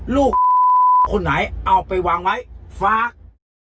ลูกคนไหนเอาไปวางไว้ฟ้า